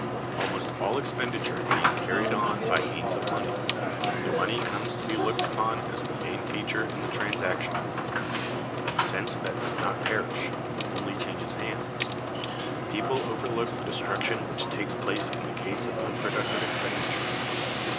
Almost all expenditure being carried on by means of money, the money comes to be looked upon as the main feature in the transaction; and since that does not perish, but only changes hands, people overlook the destruction which takes place in the case of unproductive expenditure.